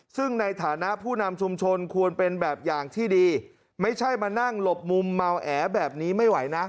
ซึ่งในฐานะผู้นำชุมชนควรเป็นแบบอย่างที่ดีไม่ใช่มานั่งหลบมุมเมาแอแบบนี้ไม่ไหวนะ